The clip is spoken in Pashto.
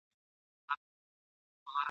د خپل زاړه معلم ابلیس مخي ته !.